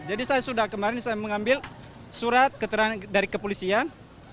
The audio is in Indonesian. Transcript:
saya sudah kemarin saya mengambil surat keterangan dari kepolisian